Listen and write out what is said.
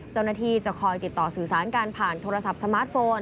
เจ้าหน้าที่จะคอยติดต่อสื่อสารการผ่านโทรศัพท์สมาร์ทโฟน